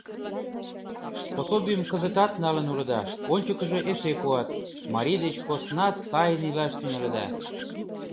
Пособийым кызытат налын улыда, ончыкыжо эше пуат, марий деч поснат сайын илаш тӱҥалыда».